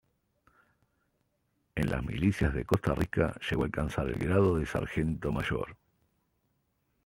En las milicias de Costa Rica llegó a alcanzar el grado de sargento mayor.